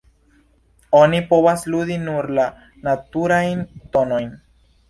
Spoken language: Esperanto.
Oni povas ludi nur la naturajn tonojn.